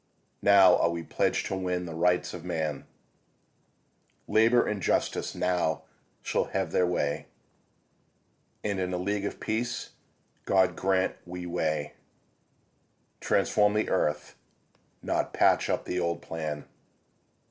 Now are we pledged to win the Rights of man; Labour and justice now shall have their way, And in a League of Peace God grant we may Transform the earth, not patch up the old plan.